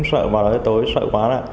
sợ vào đó tối sợ quá là